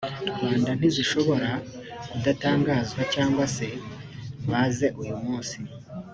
rwanda ntizishobora kudatangazwa cyangwa se bazeuyumunsi